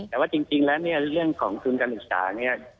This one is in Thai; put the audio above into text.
แต่ว่าจริงแล้วเรื่องของทุนการอุตส่าห์นี่